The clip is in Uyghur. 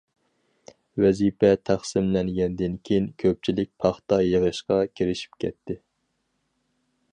ۋەزىپە تەقسىملەنگەندىن كېيىن كۆپچىلىك پاختا يىغىشقا كىرىشىپ كەتتى.